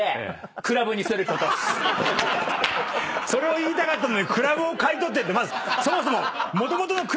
それを言いたかったのにクラブを買い取ってってそもそも。